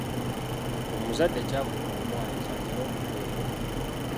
Omuzadde ky’avuma omwana ky’atera okubeera.